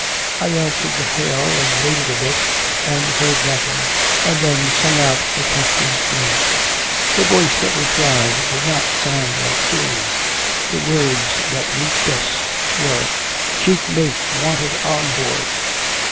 I answered the hail, and waited a bit, and heard nothing, and then sung out the captain's name. The voice that replied did not sound like his; the words that reached us were: "Chief mate wanted on board!"